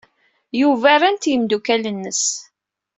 Yuba ran-t yimeddukal-nnes.